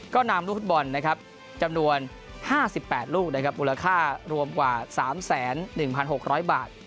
ก็นำลูกฟุตบอลนะครับจำนวน๕๘ลูกนะครับมูลค่ารวมกว่า๓๑๖๐๐บาท